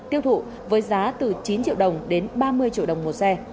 tiêu thụ với giá từ chín triệu đồng đến ba mươi triệu đồng một xe